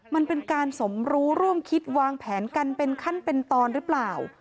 มันเป็นการสมรู้ร่วมคิดวางแผนกันเป็นขั้นเป็นตอนหรือเปล่า